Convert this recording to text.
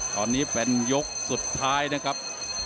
ตอนนี้เป็นยกสุดท้ายนะครับ